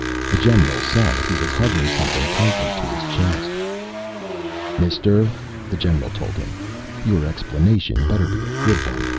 The general saw that he was hugging something tightly to his chest. "Mister," the general told him, "your explanation better be a good one.